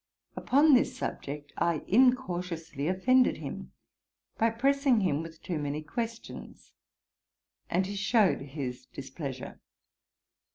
Upon this subject I incautiously offended him, by pressing him with too many questions, and he shewed his displeasure.